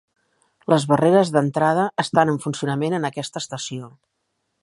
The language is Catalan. Les barreres d'entrada estan en funcionament en aquesta estació.